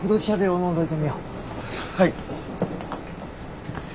はい。